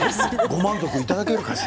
ご満足、いただけるかしら。